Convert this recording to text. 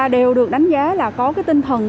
đều được đánh giá là có tinh thần